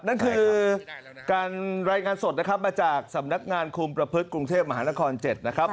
นั่นคือการรายงานสดนะครับมาจากสำนักงานคุมประพฤติกรุงเทพมหานคร๗นะครับ